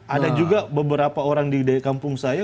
ada juga beberapa orang di kampung saya